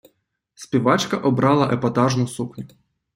Співачка обрала епатажну сукню.